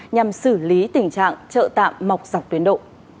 nhằm xử lý tình trạng trợ tạm mọc dọc tuyến độ